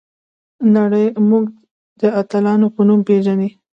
نړۍ موږ د اتلانو په نوم پیژني.